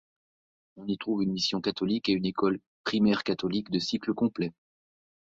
On y trouve une mission catholique et une école primaire catholique de cycle complet.